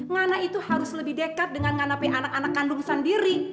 ngana itu harus lebih dekat dengan nganapi anak anak kandung sendiri